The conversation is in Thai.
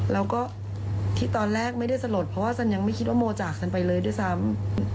แล้วก็ที่ตอนแรกไม่ได้สลดเพราะว่าฉันยังไม่คิดว่าโมจากฉันไปเลยด้วยซ้ำ